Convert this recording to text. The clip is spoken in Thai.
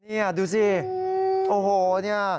นี่ดูสิโอ้โหเนี่ย